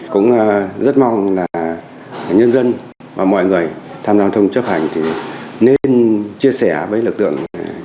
cũng rất mong là nhân dân và mọi người tham gia giao thông chấp hành thì nên chia sẻ với lực lượng